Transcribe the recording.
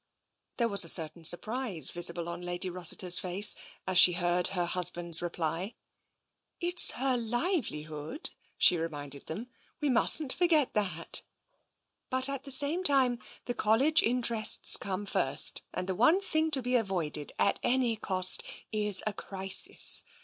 There was a certain surprise visible on Lady Ros siter' s face as she heard her husband's reply. " It's her livelihood," she reminded them ;" we mustn't forget that. But at the same time, the Col lege interests come first, and the one thing to be avoided, at any cost, is a crisis.